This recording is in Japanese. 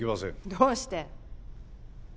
どうして？